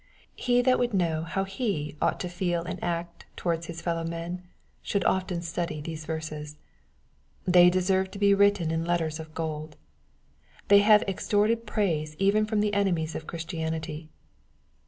He that would know how He ought to feel and act towards his fellow men, should often study these verses. They deserve to be written in letters of gold. They have extorted praise even from the enemies of Christianity.